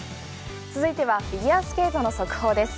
続いてはフィギュアスケートの速報です。